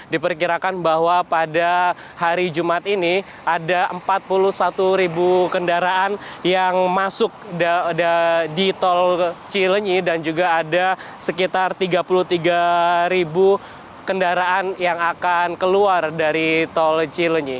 di peringkat ini ada empat puluh satu kendaraan yang masuk di tol cileni dan juga ada sekitar tiga puluh tiga kendaraan yang akan keluar dari tol cileni